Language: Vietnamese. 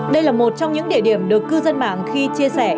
đây là một trong những địa điểm được cư dân mạng khi chia sẻ